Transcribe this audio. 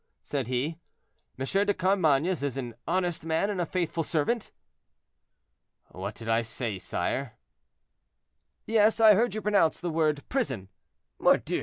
said he; "M. de Carmainges is an honest man and a faithful servant?" "What did I say, sire." "Yes; I heard you pronounce the word 'prison.' Mordieu!